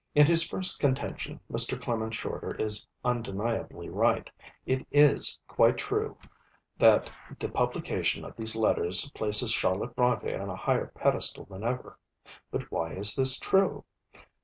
"' In his first contention Mr. Clement Shorter is undeniably right: it is quite true that 'the publication of these Letters places Charlotte Brontë on a higher pedestal than ever.' But why is this true?